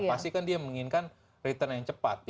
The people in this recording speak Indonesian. pasti kan dia menginginkan return yang cepat